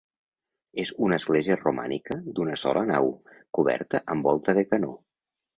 És una església romànica d'una sola nau, coberta amb volta de canó.